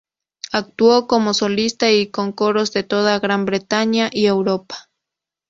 Actuó como solista y con coros de toda Gran Bretaña y Europa.